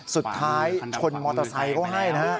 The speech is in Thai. สุดท้ายชนมอเตอร์ไซค์เขาให้นะฮะ